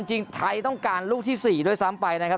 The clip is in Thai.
จริงไทยต้องการลูกที่๔ด้วยซ้ำไปนะครับ